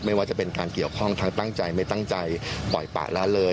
ไม่ว่าจะเป็นการเกี่ยวข้องทั้งตั้งใจไม่ตั้งใจปล่อยปะละเลย